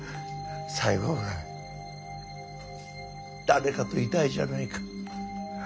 最後ぐらい誰かといたいじゃないか。